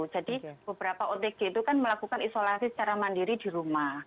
jadi beberapa otg itu kan melakukan isolasi secara mandiri di rumah